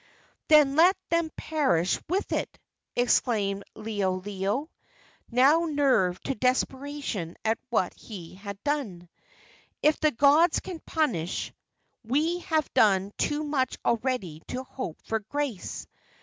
"Then let them perish with it!" exclaimed Liholiho, now nerved to desperation at what he had done. "If the gods can punish, we have done too much already to hope for grace.